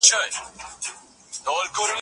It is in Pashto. ځینې ادارې هم ورسره یو ځای شوې.